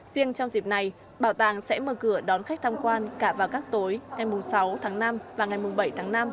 riêng trong dịp này bảo tàng sẽ mở cửa đón khách tham quan cả vào các tối ngày sáu tháng năm và ngày bảy tháng năm